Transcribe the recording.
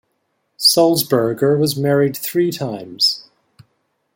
Sulzberger was married three times.